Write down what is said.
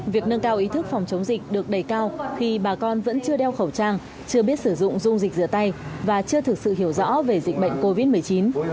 việc nâng cao ý thức phòng chống dịch được đề cao khi bà con vẫn chưa đeo khẩu trang chưa biết sử dụng dung dịch rửa tay và chưa thực sự hiểu rõ về dịch bệnh covid một mươi chín